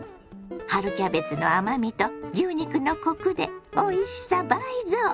春キャベツの甘みと牛肉のコクでおいしさ倍増！